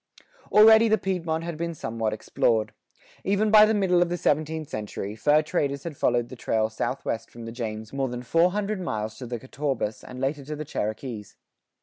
Already the Piedmont had been somewhat explored.[87:4] Even by the middle of the seventeenth century, fur traders had followed the trail southwest from the James more than four hundred miles to the Catawbas and later to the Cherokees.